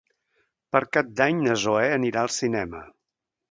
Per Cap d'Any na Zoè anirà al cinema.